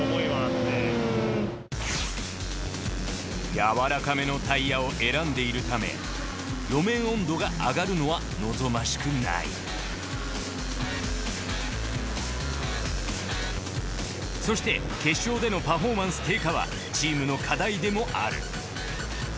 柔らかめのタイヤを選んでいるため路面温度が上がるのは望ましくないそして決勝でのパフォーマンス低下はチームの課題でもある。